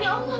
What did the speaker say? ya allah bu